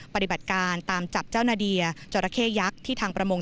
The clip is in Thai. ปฏิบัติการตามจับเจ้านาเดียจราเข้ยักษ์ที่ทางประมง